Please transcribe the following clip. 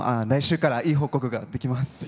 来週からいい報告ができます。